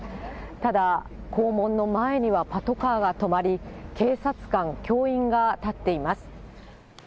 ただ、校門の前にはパトカーが止まり、警察官、教員が立っています。